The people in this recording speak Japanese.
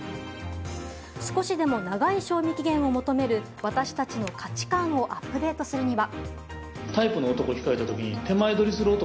少しでも長い賞味期限を求める私たちの価値観をアップデートするには。